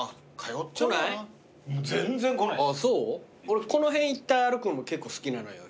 俺この辺一帯歩くの結構好きなのよ。